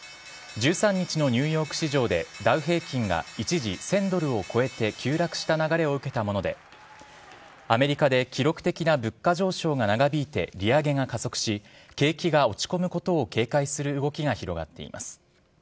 １３日のニューヨーク市場で、ダウ平均が一時１０００ドルを超えて急落した流れを受けたもので、アメリカで記録的な物価上昇が長引いて利上げが加速し、景気が落ち込むことを警戒する動きが広がっています。